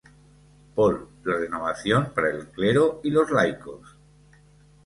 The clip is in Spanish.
Paul la renovación para el clero y los laicos.